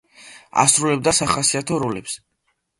ასრულებდა სახასიათო როლებს.